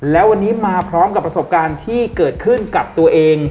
แล้ววันนี้มาพร้อมกับประสบการณ์ที่เกิดขึ้นกับตัวเอง